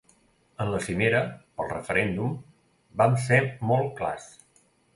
En la cimera –pel referèndum— vam ser molt clars.